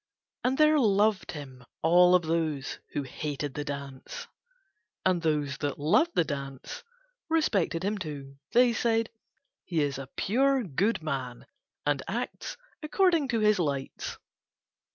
And there loved him all of those who hated the dance; and those that loved the dance respected him too; they said "He is a pure, good man and acts according to his lights."